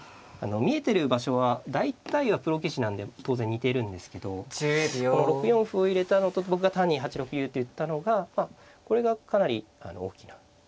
見えてる場所は大体はプロ棋士なんで当然似てるんですけどこの６四歩を入れたのと僕が単に８六竜って言ったのがこれがかなり大きな。